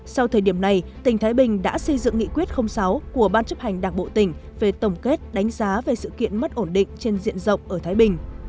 sau thời điểm này tỉnh thái bình đã xây dựng nghị quyết sáu của ban chấp hành đảng bộ tỉnh về tổng kết đánh giá về sự kiện mất ổn định trên diện rộng ở thái bình